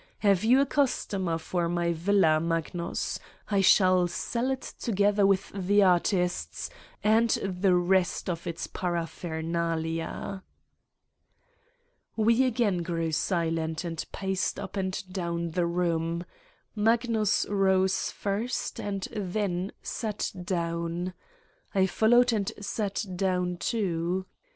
Have you a customer for my villa, Magnus? I shall sell it together with the artists and the rest of its paraphernalia." We again grew silent and paced up and down the room: Magnus rose first and then sat down. I followed and sat down too.